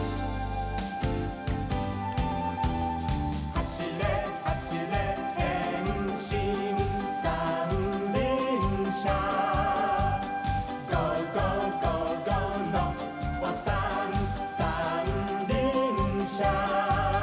「はしれはしれへんしんさんりんしゃ」「ゴーゴーゴーゴーノッポさんさんりんしゃ」